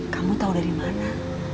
kamu tau dari mana